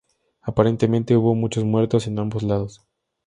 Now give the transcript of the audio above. Aparentemente hubo muchos muertos en ambos lados.